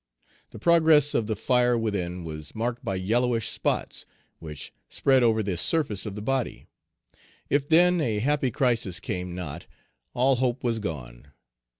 The progress of the fire within was marked by yellowish spots, which spread over the surface of the body. If, then, a happy crisis came not, all hope was gone.